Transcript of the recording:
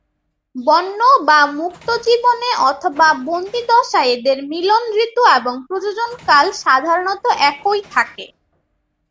বন্য বা মুক্ত জীবনে অথবা বন্দীদশায় এদের মিলন ঋতু এবং প্রজনন কাল সাধারনত একই থাকে।